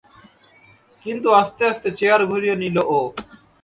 কিন্তু আস্তে আস্তে চেয়ার ঘুরিয়ে নিল ও।